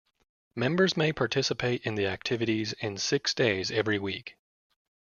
Members may participate in the activities in six days every week.